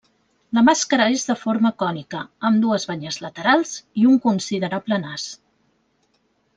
La màscara és de forma cònica, amb dues banyes laterals i un considerable nas.